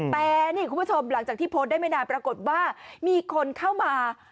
แต่นี่คุณผู้ชมหลังจากที่โพสต์ได้ไม่นานปรากฏว่ามีคนเข้ามา